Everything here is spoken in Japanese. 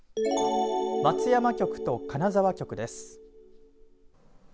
松山局と金沢局です。